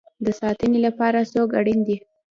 د ساتنې لپاره څوک اړین دی؟